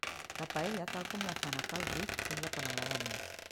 La paella tal com la fan a cal Brut és la que m'agrada més.